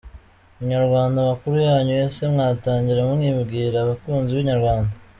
Inyarwanda: Amakuru yanyu, ese mwatangira mwibwira abakunzi b’inyarwanda.